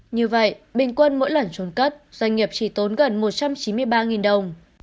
như vậy bình quân mỗi lần trốn cất doanh nghiệp chỉ tốn gần một trăm chín mươi ba đồng